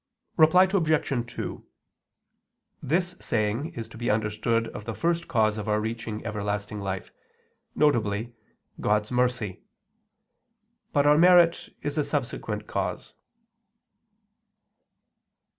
Reply Obj. 2: This saying is to be understood of the first cause of our reaching everlasting life, viz. God's mercy. But our merit is a subsequent cause.